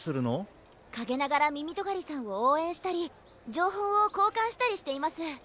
かげながらみみとがりさんをおうえんしたりじょうほうをこうかんしたりしています。